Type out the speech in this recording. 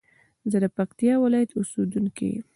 زه د پکتيا ولايت اوسېدونکى يم.